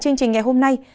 chương trình ngày hôm nay